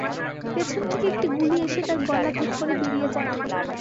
পেছন থেকে একটি গুলি এসে তার গলা ভেদ করে বেরিয়ে যায়।